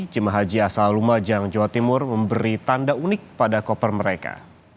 jemaah haji asal lumajang jawa timur memberi tanda unik pada koper mereka